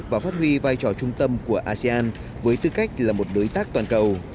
và phát huy vai trò trung tâm của asean với tư cách là một đối tác toàn cầu